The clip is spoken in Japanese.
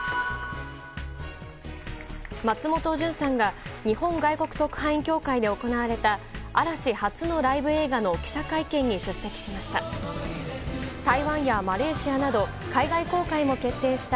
松本潤さんが日本外国特派員協会で行われた嵐初のライブ映画の記者会見に出席しました。